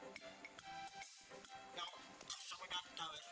yang kesempatan besok ini malamnya mau habis